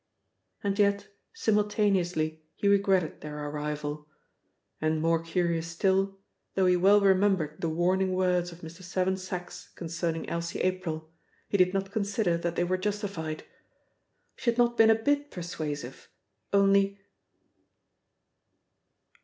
And yet simultaneously he regretted their arrival. And, more curious still, though he well remembered the warning words of Mr. Seven Sachs concerning Elsie April, he did not consider that they were justified. She had not been a bit persuasive ... only...